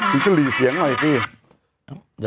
นี่ก็หลีเสียงหน่อยพี่